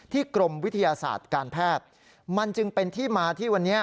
กรมวิทยาศาสตร์การแพทย์มันจึงเป็นที่มาที่วันนี้